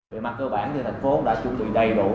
về mặt cơ bản thì thành phố đã chuẩn bị đầy đủ